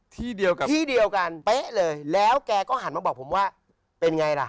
ที่เดียวกันที่เดียวกันเป๊ะเลยแล้วแกก็หันมาบอกผมว่าเป็นไงล่ะ